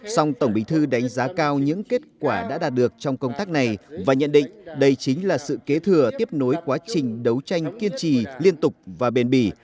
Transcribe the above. song tổng bình thư đánh giá cao những kết quả đã đạt được trong công tác này và nhận định đây chính là sự kế thừa tiếp nối quá trình đấu tranh kiên trì liên tục và bền bỉ